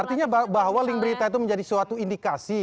artinya bahwa link berita itu menjadi suatu indikasi